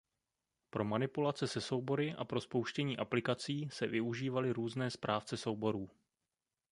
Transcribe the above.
Pro manipulaci se soubory a pro spouštění aplikací se využívaly různé správce souborů.